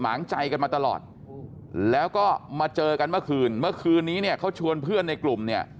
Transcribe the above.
หงใจกันมาตลอดแล้วก็มาเจอกันเมื่อคืนเมื่อคืนนี้เนี่ยเขาชวนเพื่อนในกลุ่มเนี่ย